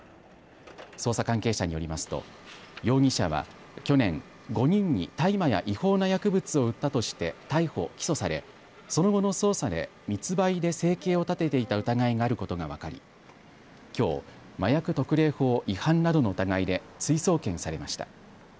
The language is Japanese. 捜査関係者によりますと容疑者は去年５人に大麻や違法な薬物を売ったとして逮捕、起訴され、その後の捜査で密売で生計を立てていた疑いがあることが分かりきょう麻薬特例法違反などの疑いで追送検されました。